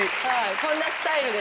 こんなスタイルで。